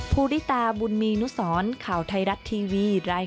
โปรดติดตามตอนต่อไป